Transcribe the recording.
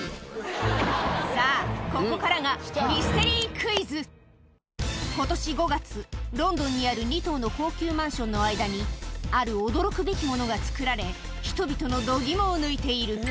さぁここからがにある２棟の高級マンションの間にある驚くべきものが作られ人々の度肝を抜いている